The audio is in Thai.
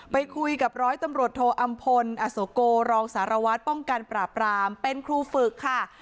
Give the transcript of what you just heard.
ไปคุยกับร้อยตำรวจโทอำพลอโสโกรองสารวัตรป้องกันปราบรามเป็นครูฝึกค่ะ